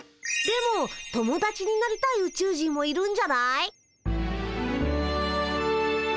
でも友だちになりたいウチュウ人もいるんじゃない？